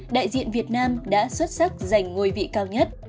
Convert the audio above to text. đại diện việt nam đã xuất sắc giành ngôi vị cao nhất